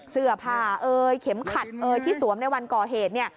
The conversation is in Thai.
เสือกผ่าเข็มขัดที่สวมในวันก่อเหตุ